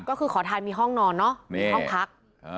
ก็คือขอทานมีห้องนอนเนอะมีห้องพัก